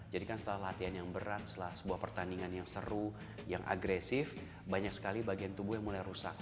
jadi kan setelah latihan yang berat setelah sebuah pertandingan yang seru yang agresif banyak sekali bagian tubuh yang mulai rusak